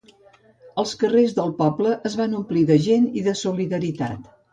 Els carrers del poble es van omplir de gent i de solidaritat.